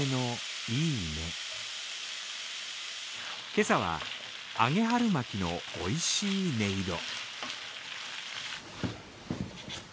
今朝は揚げ春巻きのおいしい音色。